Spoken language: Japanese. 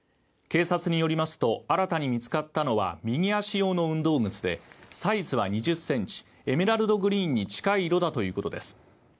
警察によりますと、新たに見つかったのは右足用の運動靴でサイズは２０ｃｍ、エメラルドグリーンに近い色だということです。